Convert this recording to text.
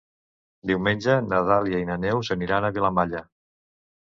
Diumenge na Dàlia i na Neus aniran a Vilamalla.